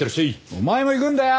お前も行くんだよ！